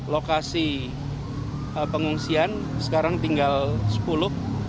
lokasi pengungsian sekarang tinggal sepuluh